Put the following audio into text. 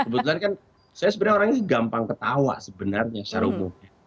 kebetulan kan saya sebenarnya orangnya gampang ketawa sebenarnya secara umum